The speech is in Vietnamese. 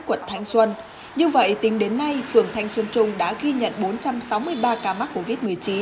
quận thanh xuân như vậy tính đến nay phường thanh xuân trung đã ghi nhận bốn trăm sáu mươi ba ca mắc covid một mươi chín